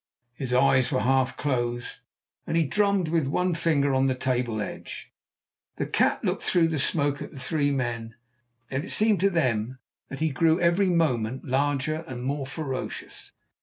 His eyes were half closed, and he drummed with one finger on the table edge. The cat looked through the smoke at the three men, and it seemed to them that he grew every moment larger and more ferocious.